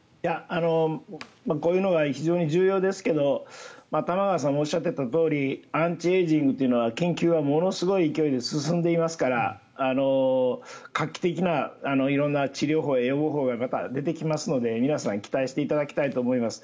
こういうのが非常に重要ですけど玉川さんもおっしゃっていたとおりアンチエイジングというのは研究はものすごい勢いで進んでいますから画期的な色んな治療法や予防法がまた出てきますので皆さん、期待していただきたいと思います。